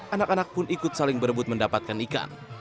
anak anak pun ikut saling berebut mendapatkan ikan